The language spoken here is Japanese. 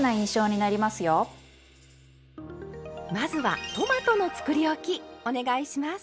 まずはトマトのつくりおきお願いします！